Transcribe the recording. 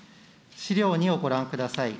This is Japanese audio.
資料２をご覧ください。